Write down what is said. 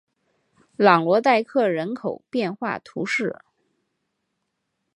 朗罗代克人口变化图示